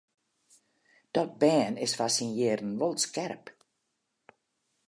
Dat bern is foar syn jierren wol skerp.